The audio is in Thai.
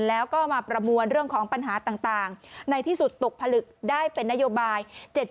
แล้วก็มาประมวลเรื่องของปัญหาต่างในที่สุดตกผลึกได้เป็นนโยบาย